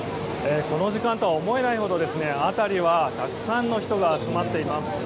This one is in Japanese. この時間とは思えないほど辺りはたくさんの人が集まっています。